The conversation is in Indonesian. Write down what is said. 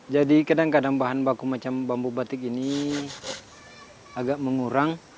jadi kadang kadang bahan baku macam bambu batik ini agak mengurang